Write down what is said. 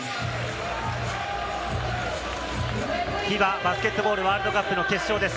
ＦＩＢＡバスケットボールワールドカップの決勝です。